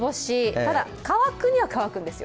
ただ乾くには乾くんですよ。